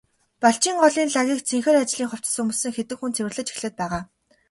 Балжийн голын лагийг цэнхэр ажлын хувцас өмссөн хэдэн хүн цэвэрлэж эхлээд байгаа.